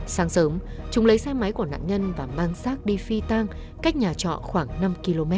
sáng sớm chúng lấy xe máy của nạn nhân và mang xác đi phi tang cách nhà trọ khoảng năm km